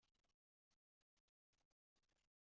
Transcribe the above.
Mennect i tella ɣercemt saɛet?